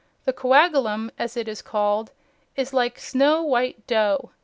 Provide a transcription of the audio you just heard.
The "coagulum," as it is called, is like snow white dough.